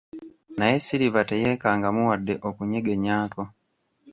Naye Silver teyeekangamu wadde okunyegenyaako.